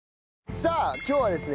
さあ今日はですね